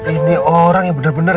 ini orang yang bener bener